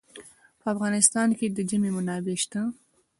په افغانستان کې د ژمی منابع شته.